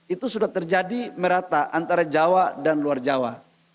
itu sudah terjadi merata antara jawa dan luar jawa